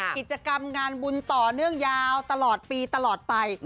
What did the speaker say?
กิจกรรมงานบุญต่อเนื่องยาวตลอดปีตลอดไป